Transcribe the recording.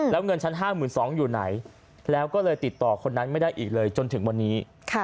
แล้วเงินชั้น๕๒๐๐อยู่ไหนแล้วก็เลยติดต่อคนนั้นไม่ได้อีกเลยจนถึงวันนี้